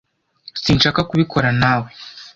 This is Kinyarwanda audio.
Sinshaka kubikora nawe.